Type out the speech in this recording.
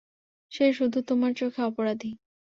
সে শুধু তোমার চোখে অপরাধী।